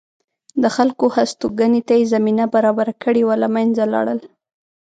د خلکو هستوګنې ته یې زمینه برابره کړې وه له منځه لاړل